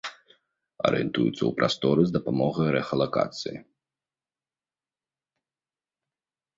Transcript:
Арыентуюцца ў прасторы з дапамогай рэхалакацыі.